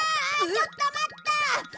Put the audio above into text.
ちょっと待った！